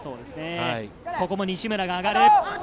ここも西村が上がる。